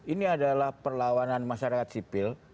ini adalah perlawanan masyarakat sipil